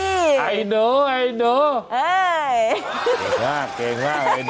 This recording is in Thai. เยี่ยมมากเฒ่ยอันนั้น